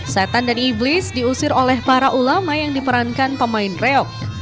setan dan iblis diusir oleh para ulama yang diperankan pemain reok